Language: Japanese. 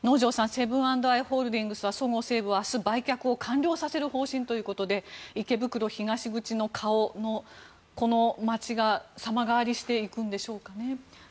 セブン＆アイはそごう・西武を明日、売却を完了させる方針ということで池袋東口の顔のこの街が、様変わりしていくんでしょうかね。